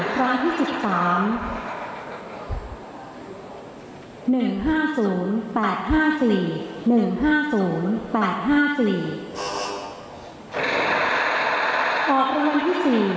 อพที่๔ครั้งที่๑๒